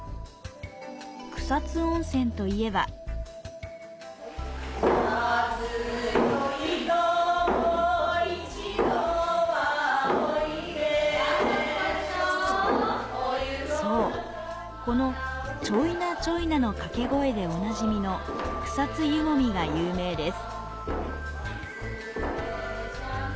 草津温泉といえばそう、このチョイナチョイナのかけ声でおなじみの草津湯もみが有名です。